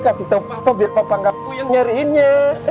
kasih tau papa biar papa gak punya nyeriinnya